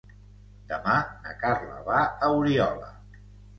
Demà na Carla va a Oriola.